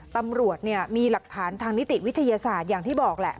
ตำรวจมีหลักฐานทางนิติวิทยาศาสตร์อย่างที่บอกแหละ